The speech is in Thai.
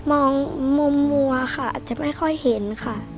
มองมุมมัวค่ะอาจจะไม่ค่อยเห็นค่ะ